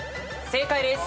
正解です。